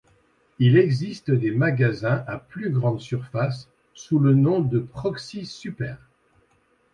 Il existe des magasins à plus grande surface, sous le nom de Proxi Super.